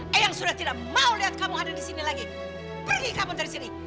heyang sudah tidak mau lihat kamu ada di sini lagi pergi kamu dari sini